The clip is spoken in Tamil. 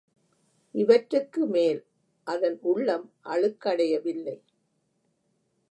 இவற்றுக்கு மேல், அதன் உள்ளம் அழுக்கடையவில்லை.